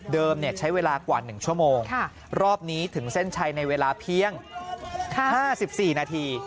ใช้เวลากว่า๑ชั่วโมงรอบนี้ถึงเส้นชัยในเวลาเพียง๕๔นาที